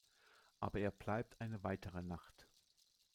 Aber er bleibt eine weitere Nacht.